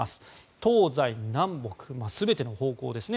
東西南北全ての方向ですね。